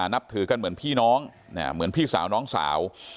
นับถือกันเหมือนพี่น้องเหมือนพี่สาวน้องสาว